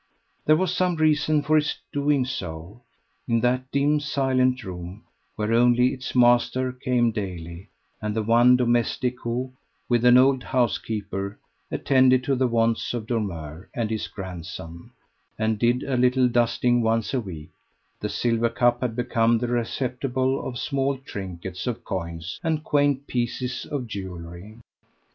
There was some reason for his doing so. In that dim silent room where only its master came daily, and the one domestic who, with an old housekeeper, attended to the wants of Dormeur and his grandson, and did a little dusting once a week the silver cup had become the receptacle of small trinkets, of coins, and quaint pieces of jewellery.